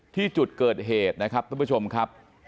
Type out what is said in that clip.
ที่จุดเกิดเหตุนะครับทุกผู้ชมครับ